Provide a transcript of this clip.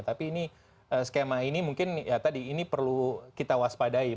tapi ini skema ini mungkin ya tadi ini perlu kita waspadai